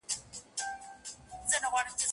چی په ژوند کی مو لیدلي دي اورونه